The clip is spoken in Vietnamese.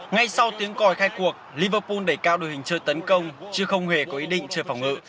ngay sau tiếng còi khai cuộc liverpol đẩy cao đội hình chơi tấn công chứ không hề có ý định chưa phòng ngự